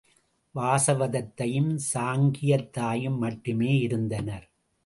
வாசவதத்தையும் சாங்கியத் தாயும் மட்டுமே இருந்தனர்.